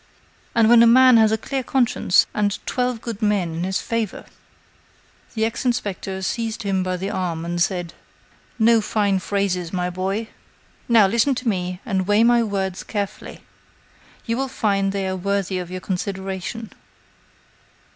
And when a man has a clear conscience and twelve good men in his favor " The ex inspector seized him by the arm and said: "No fine phrases, my boy. Now, listen to me and weigh my words carefully. You will find they are worthy of your consideration.